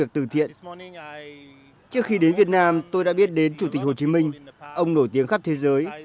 trước khi đến việt nam tôi đã biết đến chủ tịch hồ chí minh ông nổi tiếng khắp thế giới